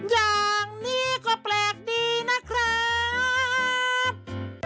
อย่างนี้ก็แปลกดีนะครับ